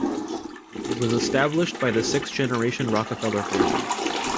It was established by the six-generation Rockefeller family.